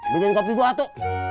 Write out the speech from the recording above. bikin kopi buatu